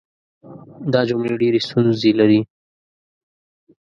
دا جملې ډېرې ستونزې لري.